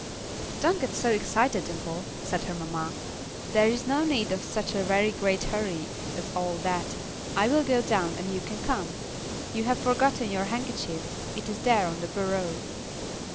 "Don't get so excited, Dimple," said her mamma. "There is no need of such a very great hurry as all that. I will go down and you can come. You have forgotten your handkerchief; it is there on the bureau."